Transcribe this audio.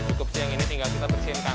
cukup sehingga kita bersihkan